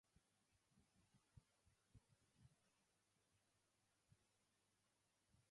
The city was named after Havana, the capital of Cuba.